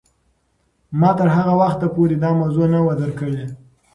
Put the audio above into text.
ما تر هغه وخته پورې دا موضوع نه وه درک کړې.